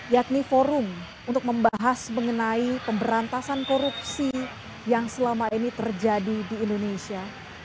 yakni forum untuk membahas mengenai pemberantasan korupsi yang selama ini terjadi di indonesia